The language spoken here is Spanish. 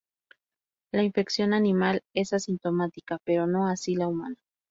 La infección animal es asintomática, pero no así la humana.